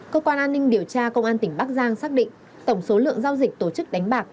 cơ quan an ninh điều tra công an tỉnh bắc giang xác định tổng số lượng giao dịch tổ chức đánh bạc